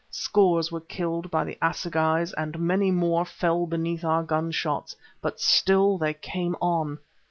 Scores were killed by the assegais, and many more fell beneath our gun shots; but still they came on.